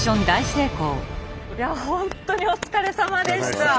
いや本当にお疲れさまでした。